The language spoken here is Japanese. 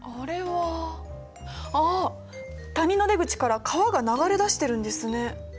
ああ谷の出口から川が流れ出してるんですね。